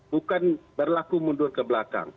bukan berlaku mundur ke belakang